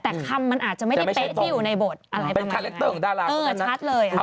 แต่คำมันอาจจะไม่ได้เป๊ะที่อยู่ในบทอะไรประมาณนั้น